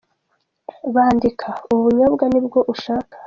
Bandika: Ubu bunyobwa ni bwo ushaka.